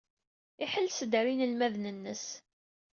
Iḥelles-d ɣer yinelmaden-nnes.